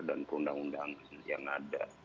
dan perundang undang yang ada